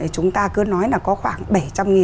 chúng ta cứ nói là có khoảng bảy trăm linh